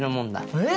えっ！